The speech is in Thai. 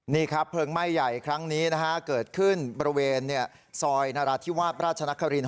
นี่ครับเพลิงไหม้ใหญ่ครั้งนี้นะฮะเกิดขึ้นบริเวณซอยนราธิวาสราชนคริน